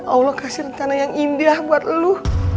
allah kasih rencana yang indah buat lu